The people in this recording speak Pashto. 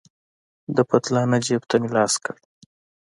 د پتلانه جيب ته مې لاس کړ.